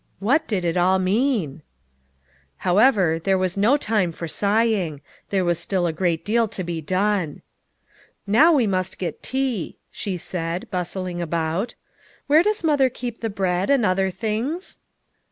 What did it all mean ? However, there was no time for sighing. There was still a great deal to be done. "Now we must get tea," she said, bustling about. " Where does mother keep the bread, and other things?"